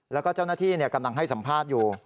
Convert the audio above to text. แล้วก็เจ้าหน้าที่กำลังให้สัมภาษณ์อยู่